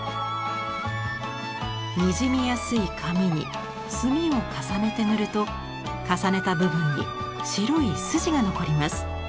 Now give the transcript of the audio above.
にじみやすい紙に墨を重ねて塗ると重ねた部分に白い筋が残ります。